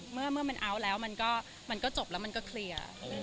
เมื่อมันเอาท์แล้วมันก็จบแล้วมันก็เคลียร์